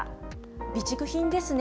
備蓄品ですね。